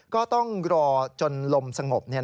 ก็ต้องรอจนลมสงบ